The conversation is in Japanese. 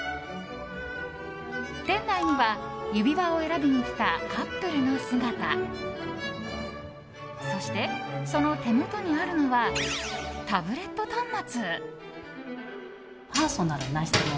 店内には指輪を選びに来たカップルの姿そして、その手元にあるのはタブレット端末。